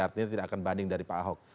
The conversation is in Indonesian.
artinya tidak akan banding dari pak ahok